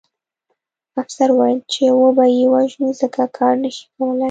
افسر وویل چې وبه یې وژنو ځکه کار نه شي کولی